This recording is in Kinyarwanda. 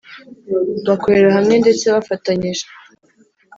bakorera hamwe ndetse bafatanyije